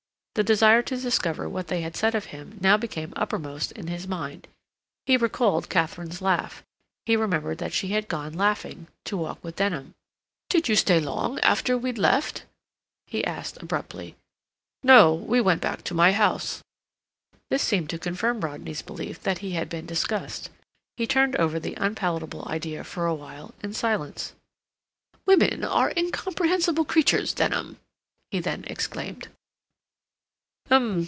The desire to discover what they had said of him now came uppermost in his mind. He recalled Katharine's laugh; he remembered that she had gone, laughing, to walk with Denham. "Did you stay long after we'd left?" he asked abruptly. "No. We went back to my house." This seemed to confirm Rodney's belief that he had been discussed. He turned over the unpalatable idea for a while, in silence. "Women are incomprehensible creatures, Denham!" he then exclaimed.